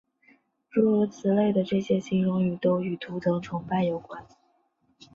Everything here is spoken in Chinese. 诸如此类的这些形容语都与图腾崇拜有关。